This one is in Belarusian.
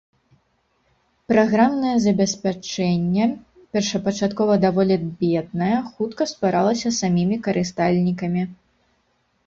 Праграмнае забеспячэнне, першапачаткова даволі беднае, хутка стваралася самімі карыстальнікамі.